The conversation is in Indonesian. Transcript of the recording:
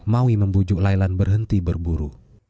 maui membujuk lailan berhenti berburu